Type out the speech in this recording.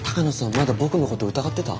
まだ僕のこと疑ってた？